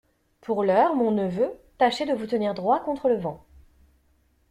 Pour l'heure, mon neveu, tâchez de vous tenir droit contre le vent.